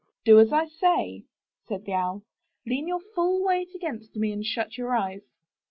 '*Do as I say," said the Owl. ''Lean your full weight against me and shut your eyes."